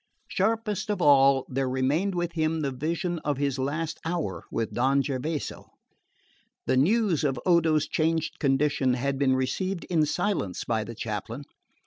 Sharpest of all, there remained with him the vision of his last hour with Don Gervaso. The news of Odo's changed condition had been received in silence by the chaplain.